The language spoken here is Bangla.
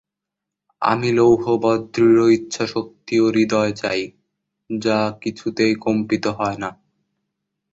আমি লৌহবৎ দৃঢ় ইচ্ছাশক্তি ও হৃদয় চাই, যা কিছুতেই কম্পিত হয় না।